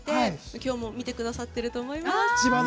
今日も見てくださってると思います。